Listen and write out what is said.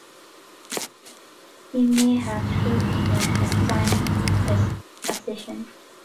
He may have still been young at the time of his accession.